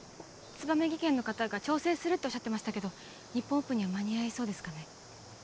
ツバメ技研の方が調整するっておっしゃってましたけど日本オープンには間に合いそうですかね？